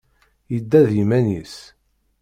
Yedda d yiman-is.